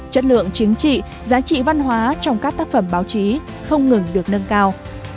chất lượng chính trị giá trị văn hóa trong các tác phẩm báo chí không ngừng được nâng cao